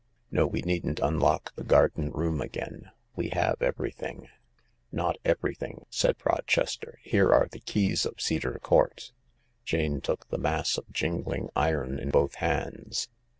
No, we needn't unlock the garden room again ^we have everything." 160 THE LARK ^" Not everything," said Rochester. " Here are the keys of Cedar Court." Jane took the mass of jingling iron in both hands.